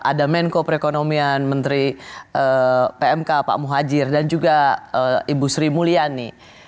ada menko perekonomian menteri pmk pak muhajir dan juga ibu sri mulyani